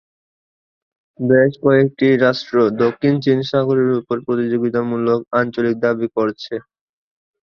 বেশ কয়েকটি রাষ্ট্র দক্ষিণ চীন সাগরের উপর প্রতিযোগিতামূলক আঞ্চলিক দাবি করেছে।